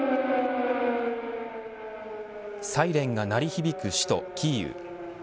サイレンが鳴り響く首都キーウ。